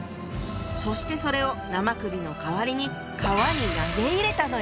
そしてそれを生首の代わりに川に投げ入れたのよ！